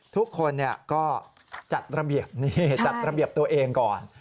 ทุกคนก็จัดระเบียบนี่จัดระเบียบตัวเองก่อน